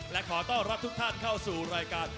และขอต้อนรับทุกท่านเข้าสู่รายการ